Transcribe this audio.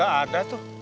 gak ada tuh